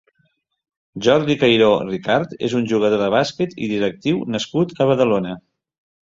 Jordi Cairó Ricart és un jugador de bàsquet i directiu nascut a Badalona.